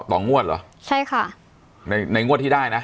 ต่องวดเหรอใช่ค่ะในในงวดที่ได้นะ